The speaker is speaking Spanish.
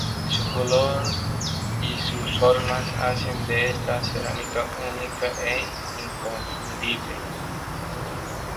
Su color y sus formas hacen de esta cerámica única e inconfundible.